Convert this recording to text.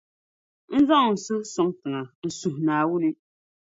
n zaŋ n suhu sɔŋ tiŋa n-suhi Naawuni.